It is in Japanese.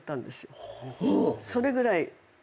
それぐらい。